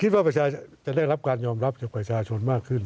ว่าประชาชนจะได้รับการยอมรับจากประชาชนมากขึ้น